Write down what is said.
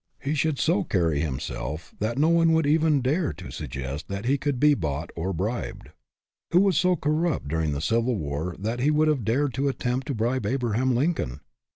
He should so carry him self that no one would even dare to suggest that he could be bought or bribed. Who was so corrupt during the Civil War that he would have dared to attempt to bribe Abraham Lincoln?